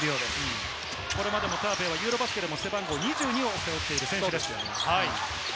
これまでもターペイはユーロバスケでも背番号２２を背負っている選手です。